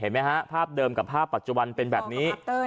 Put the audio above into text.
ไหมฮะภาพเดิมกับภาพปัจจุบันเป็นแบบนี้